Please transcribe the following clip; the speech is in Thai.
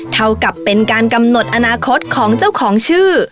เท่ากับเป็นการกำหนดอนาคตของเจ้าของชื่อ